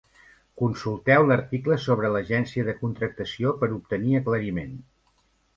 Consulteu l'article sobre l'Agència de contractació per obtenir aclariment.